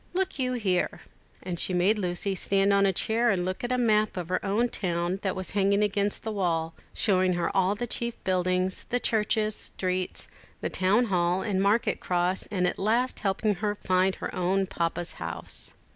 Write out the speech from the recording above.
Look you here:" and she made Lucy stand on a chair and look at a map of her own town that was hanging against the wall, showing her all the chief buildings, the churches, streets, the town hall, and market cross, and at last helping her to find her own Papa's house.